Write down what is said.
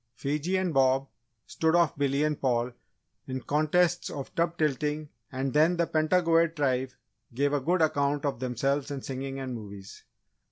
Fiji and Bob stood off Billy and Paul in contests of tub tilting and then the Pentagoet Tribe gave a good account of themselves in singing and movies.